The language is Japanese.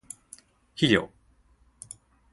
肥料